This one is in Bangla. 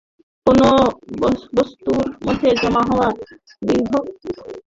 কোন বস্তুর মধ্যে জমা হওয়া বিভব শক্তির পরিমাণ ভূপৃষ্ঠ থেকে বস্তুর উচ্চতার উপর নির্ভর করে।